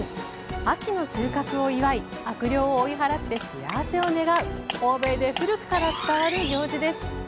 秋の収穫を祝い悪霊を追い払って幸せを願う欧米で古くから伝わる行事です。